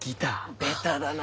ベタだなあ！